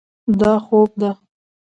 دا خوب ده.